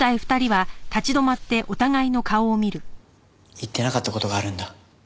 言ってなかった事があるんだ。